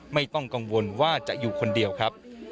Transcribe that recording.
ไม่ต้องกังวลว่าจะอยู่คนเดียวครับ